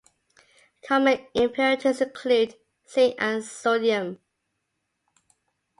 Common impurities include zinc and sodium.